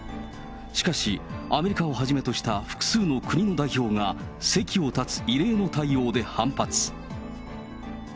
しかし、アメリカをはじめとした複数の国の代表が、席を立つ異例の対応で反発。